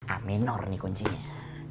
aminor nih kuncinya